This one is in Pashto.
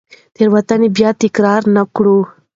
تېروتنې بیا تکرار نه کړو.